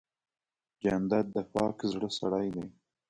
جانداد د پاک زړه سړی دی.